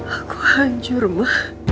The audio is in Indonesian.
aku hancur ma